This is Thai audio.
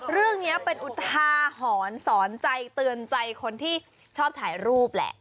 เรื่องนี้เป็นอุทาหรณ์สอนใจเตือนใจคนที่ชอบถ่ายรูปแหละ